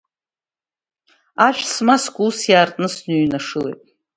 Ашә смаскәа, ус иаартны сныҩнашылеит.